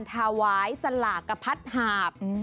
ถาวายสลากพัดหาบ